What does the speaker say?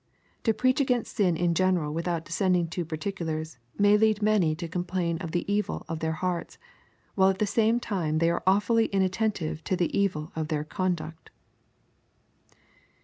To preach against sin in general without descending to particulars may lead many to complain of the evil of their hearts, while at the same time they are awfully inattentive to the evil of their conduct.'